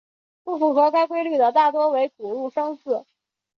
不符合该规律的大多为古入声字。